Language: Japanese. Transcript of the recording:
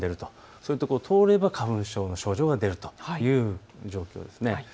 そういうところを通れば花粉症の症状が出るという状況です。